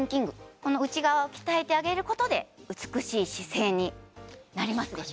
この内側を鍛えてあげることで美しい姿勢になりますでしょ？